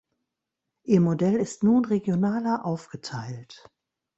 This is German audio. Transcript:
Ihr Modell ist nun regionaler aufgeteilt.